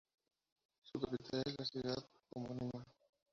Su capital es la ciudad homónima.